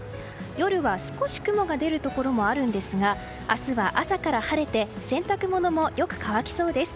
夜は少し雲が出るところもあるんですが明日は朝から晴れて、洗濯物もよく乾きそうです。